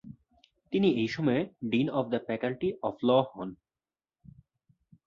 তিনি এই সময়ে dean of the faculty of law হন ।